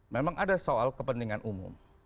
memang ada soal kepentingan umum